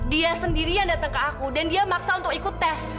dia sendirian datang ke aku dan dia maksa untuk ikut tes